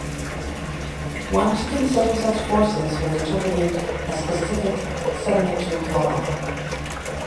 One should consider such factors when interpreting a specific sedimentary column.